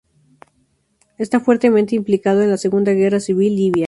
Está fuertemente implicado en la Segunda Guerra Civil libia.